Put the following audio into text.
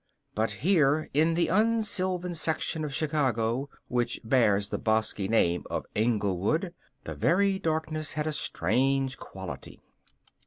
But here in the un sylvan section of Chicago which bears the bosky name of Englewood, the very darkness had a strange quality.